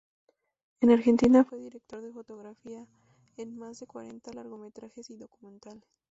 En Argentina fue director de fotografía en más de cuarenta largometrajes y documentales.